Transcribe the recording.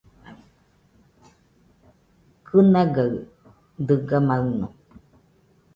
Kɨnaigaɨ dɨga maɨno.